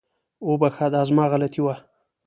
وبخښه، دا زما غلطي وه